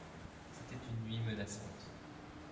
C’était une nuit menaçante.